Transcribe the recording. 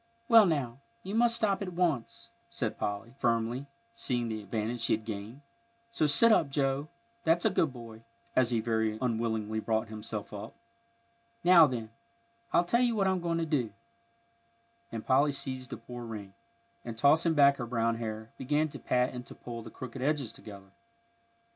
"Well, now, you must stop at once," said Polly, firmly, seeing the advantage she had gained. "So sit up, Joe, that's a good boy," as he very unwillingly brought himself up. "Now, then, I'll tell you what I'm going to do," and Polly seized the poor ring, and, tossing back her brown hair, began to pat and to pull the crooked edges together.